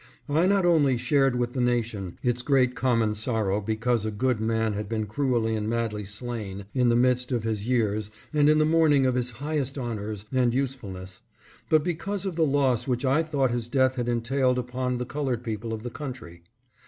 I not only shared with the nation its great common sorrow because a good man had been cruelly and madly slain in the midst of his years and in the morning of his highest honors and usefulness, but because of the loss which I thought his death had entailed upon the colored people of the country.